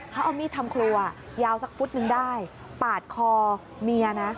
เขาเอามีดทำครัวยาวสักฟุตนึงได้ปาดคอเมียนะ